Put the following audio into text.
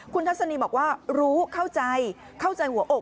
คุณทัศนีบอกว่ารู้เข้าใจเข้าใจหัวอก